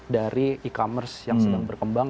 dari e commerce yang sedang berkembang